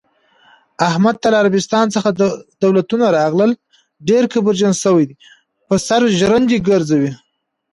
احمد ته له عربستان څخه دولتونه راغلل، ډېر کبرجن شوی، په سر ژرندې ګرځوی.